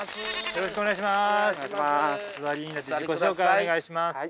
よろしくお願いします。